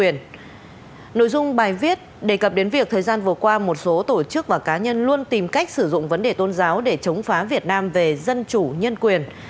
nội dung bài viết đề cập đến việc thời gian vừa qua một số tổ chức và cá nhân luôn tìm cách sử dụng vấn đề tôn giáo để chống phá việt nam về dân chủ nhân quyền